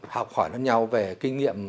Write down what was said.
học hỏi nhau nhau về kinh nghiệm